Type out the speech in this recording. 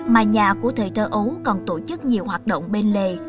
mà nhà của thời thơ ấu còn tổ chức nhiều hoạt động bên lề